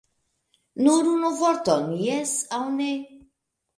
Nur unu vorton jes aŭ ne!